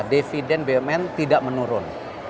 dividen bmn tidak menurun